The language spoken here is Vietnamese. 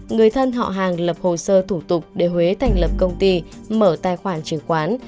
người thân họ hàng lập hồ sơ thủ tục để huế thành lập công ty mở tài khoản chứng khoán